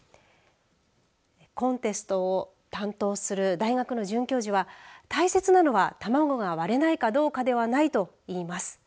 コンテストを担当する大学の准教授は大切なのは卵が割れないかどうかではないと言います。